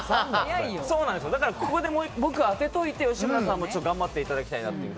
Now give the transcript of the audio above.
ここで僕が当てておいて吉村さんも頑張っていただきたいなと。